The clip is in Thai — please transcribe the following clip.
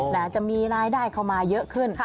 อาจจะมีรายได้เข้ามาเยอะขึ้น